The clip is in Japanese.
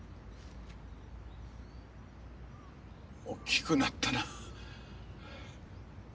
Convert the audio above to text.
大きくなったな。